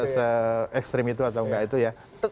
se ekstrim itu atau enggak itu ya